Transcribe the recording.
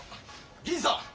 銀次さん